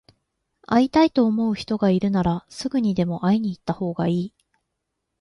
会いたいと思う人がいるなら、すぐにでも会いに行ったほうがいい。